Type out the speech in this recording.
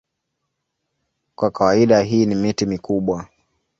Kwa kawaida hii ni miti mikubwa.